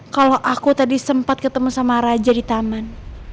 kalau aku tadi sempat ketemu sama raja di taman